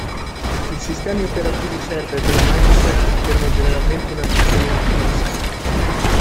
I sistemi operativi server della Microsoft richiedono generalmente una gestione più intensiva.